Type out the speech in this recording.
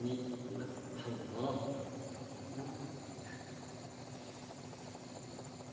なりたいのう。